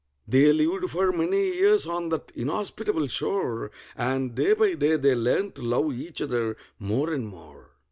They lived for many years on that inhospitable shore, And day by day they learned to love each other more and more.